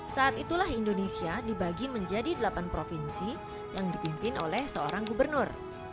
saat itulah indonesia dibagi menjadi delapan provinsi yang dipimpin oleh seorang gubernur